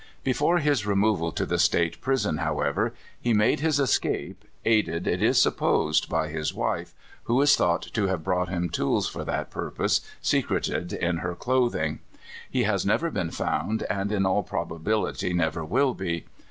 Before his removal to the State prison, however, he made his escape, aided, it is supposed, by his wife, who is thought to have brought him tools for that purpose secreted in her clothing. He has never been found, and in all probability never will be.